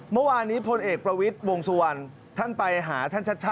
เมื่อวานนี้พลเอกประวิทย์วงสุวรรณท่านไปหาท่านชัด